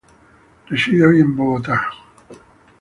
Reside hoy día en Bogotá.